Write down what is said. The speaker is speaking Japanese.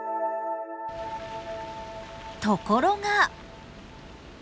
ところが。